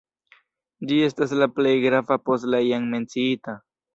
Ĝi estas la plej grava post la jam menciita.